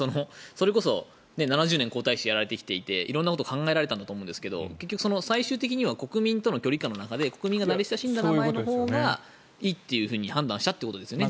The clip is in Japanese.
それこそ、７０年皇太子をやられてきていて色んなことを考えられたんだと思いますが最終的には国民との距離感の中で国民が慣れ親しんだ名前のほうがいいというふうに判断したということですよね。